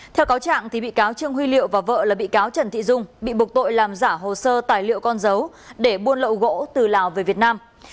theo cáo trạng bị cáo trương huy liệu và vợ là bị cáo trần thị dung bị buộc tội làm giả hồ sơ tài liệu con dấu để buôn lậu gỗ từ lào về việt nam